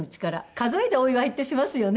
数えでお祝いってしますよね？